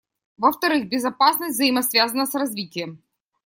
Во-вторых, безопасность взаимосвязана с развитием.